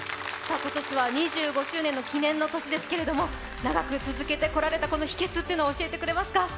今年は２５周年の記念の年ですけども長く続けてこられた秘けつっていうのを、教えてくれますか？